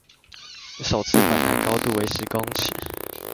首次反彈高度為十公尺